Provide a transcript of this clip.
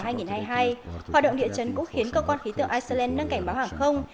hoạt động địa chấn cũng khiến cơ quan khí tượng iceland nâng cảnh báo hàng không